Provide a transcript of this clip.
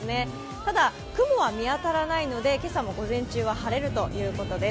ただ、雲は見当たらないので今朝も午前中は晴れるということです。